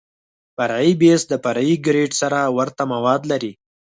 فرعي بیس د فرعي ګریډ سره ورته مواد لري